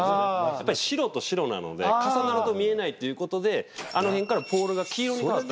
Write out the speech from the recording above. やっぱり白と白なので重なると見えないっていうことであの辺からポールが黄色に替わった。